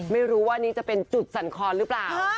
ไม่รู้ว่านี้จะเป็นจุดสั่นครหรือเปล่า